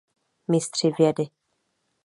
Mistři vědy.